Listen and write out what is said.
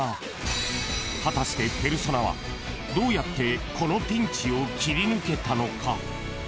［果たしてペルソナはどうやってこのピンチを切り抜けたのか？］